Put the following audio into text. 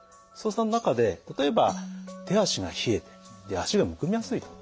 その中で例えば手足が冷えて足がむくみやすいと。